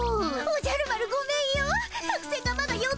おじゃる丸ごめんよ。